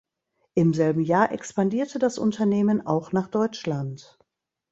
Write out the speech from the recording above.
Im selben Jahr expandierte das Unternehmen auch nach Deutschland.